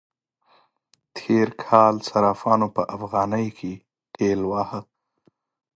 تېر کال صرافانو په افغانی کې ټېل واهه.